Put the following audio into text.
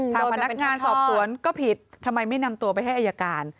ทางพนักงานสอบสวนก็ผิดทำไมไม่นำตัวไปให้อายการ